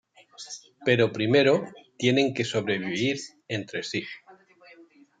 Pero primero, tienen que sobrevivir entre sí.